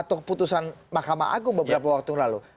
pertama putusan mahkamah agung beberapa waktu lalu